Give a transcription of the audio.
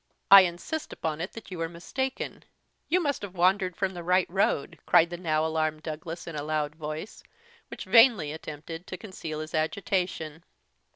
"I insist upon it that you are mistaken; you must have wandered from the right road," cried the now alarmed Douglas in a loud voice, which vainly attempted to conceal his agitation.